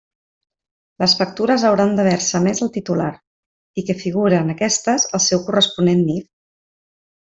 Les factures hauran d'haver-se emés al titular, i que figure en aquestes el seu corresponent NIF.